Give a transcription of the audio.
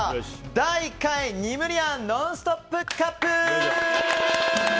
第１回ニムリアンノンストップカップ！